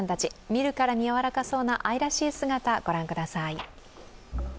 見るからにやわらかそうな愛らしい姿、ご覧ください。